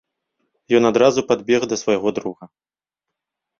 Ён адразу падбег да свайго друга.